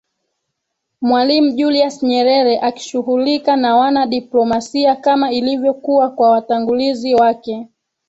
Mwalimu Julius Nyerere akishughulika na wana diplomasia kama ilivyokuwa kwa watangulizi wake